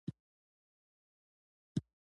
علوم جمع د علم ده او علم د یو شي درک کولو ته وايي